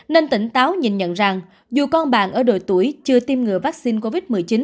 nên tỉnh táo nhìn nhận rằng dù con bạn ở độ tuổi chưa tiêm ngừa vaccine covid một mươi chín